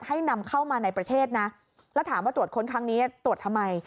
นำเข้ามาในประเทศนะแล้วถามว่าตรวจค้นครั้งนี้ตรวจทำไม